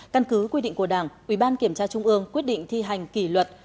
căn cứ quy định của đảng ủy ban kiểm tra trung ương quyết định thi hành kỷ luật